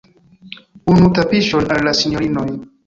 Unu tapiŝon al la sinjorinoj!